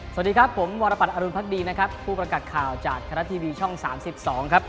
สวัสดีครับผมวรปรับอรุณพักดีนะครับผู้ประกัดข่าวจากคณะทีวีช่องสามสิบสองครับ